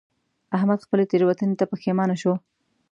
احمد خپلې تېروتنې ته پښېمانه شو.